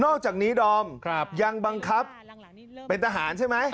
อกจากนี้ดอมยังบังคับเป็นทหารใช่ไหม